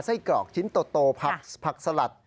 ไส้กรอกชิ้นโตโตผักสลัด